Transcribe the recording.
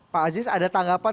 pak aziz ada tanggapan